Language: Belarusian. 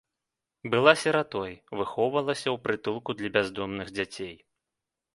Была сіратой, выхоўвалася ў прытулку для бяздомных дзяцей.